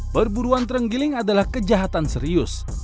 perburuan terenggiling adalah kejahatan serius